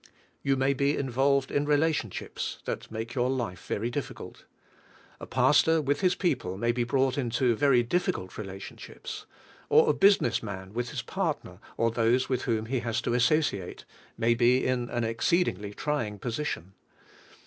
You may be involved in relationships that make your life very difficult. A paGtnr with his people maybe brought into very difficult relationships; or a business man with his partner or those with whom he has to associate, may be in an exceedingly trying position.